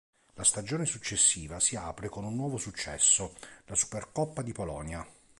La stagione successiva si apre con un nuovo successo: la Supercoppa di Polonia.